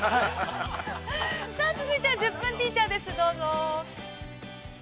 ◆さあ、続いて「１０分ティーチャー」です、どうぞ。